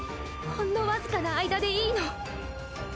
ほんのわずかな間でいいの